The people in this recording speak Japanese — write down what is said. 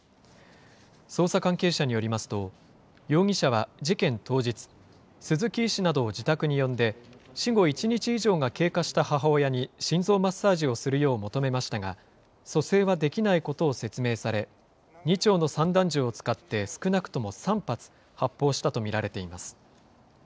捜査関係者によりますと、容疑者は事件当日、鈴木医師などを自宅に呼んで、死後１日以上が経過した母親に心臓マッサージをするよう求めましたが、蘇生はできないことを説明され、２丁の散弾銃を使って、少なくとも３発発砲したと見られています。